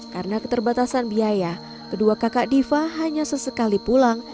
karena keterbatasan biaya kedua kakak diva hanya sesekali pulang